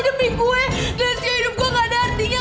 demi gue glas yo hidup gue gak ada artinya